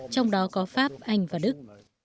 trong đó có pháp anh và đức